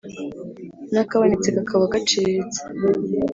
n’akabonetse kakaba gaciriritse